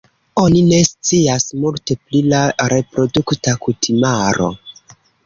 Oni ne scias multe pli la reprodukta kutimaro.